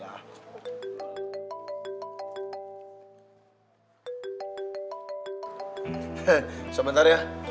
bu saya ke telepon ke tempat ini ya